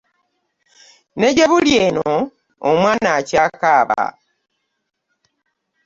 Ne gye buli eno omwana akyakaaba.